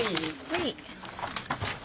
はい。